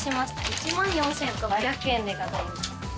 １万４，６００円でございます。